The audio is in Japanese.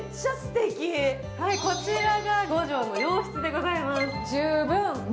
こちらが５畳の洋室でございます。